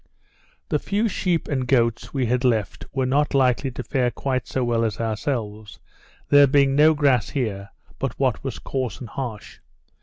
The few sheep and goats we had left were not likely to fare quite so well as ourselves; there being no grass here, but what was coarse and harsh.